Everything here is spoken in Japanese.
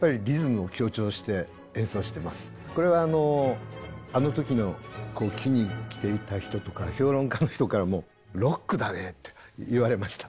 これはあの時の聴きに来ていた人とか評論家の人からもロックだねって言われました。